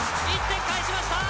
１点返しました！